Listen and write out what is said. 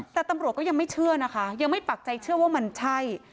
แต่ตำรวจก็ยังไม่เชื่อนะคะยังไม่ปักใจเชื่อว่ามันใช่